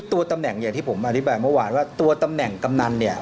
ตัวตำแหน่งอย่างที่ผมอธิบายเมื่อวานว่าตัวตำแหน่งกำนันเนี่ย